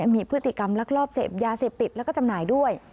มีพฤติกรรมลักลอบเสพยาเสพติดแล้วก็จำหน่ายด้วย